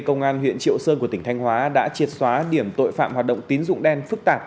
công an huyện triệu sơn của tỉnh thanh hóa đã triệt xóa điểm tội phạm hoạt động tín dụng đen phức tạp